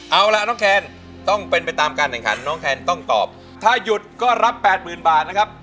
เอาล่ะน้องแคนต้องเป็นไปตามการแข่งขันน้องแคนต้องตอบถ้าหยุดก็รับแปดหมื่นบาทนะครับ